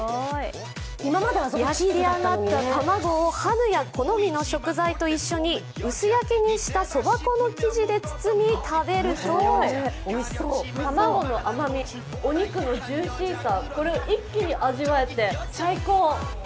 焼き上がった卵をハムや好みの食材と一緒に薄焼きにしたそば粉の生地で包み、食べると卵の甘み、お肉のジューシーさ、これを一気に味わえて最高。